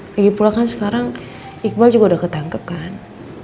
lagipula kan sekarang iqbal juga udah ketangkep kan